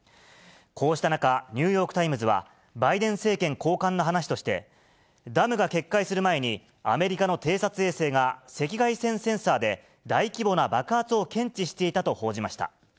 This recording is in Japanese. こうした中、ニューヨーク・タイムズは、バイデン政権高官の話として、ダムが決壊する前に、アメリカの偵察衛星が、赤外線センサーで、大規模な爆発を検知していたと報じました。